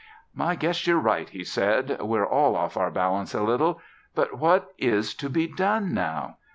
"I guess you're right," he said. "We're all off our balance a little, but what is to be done now?"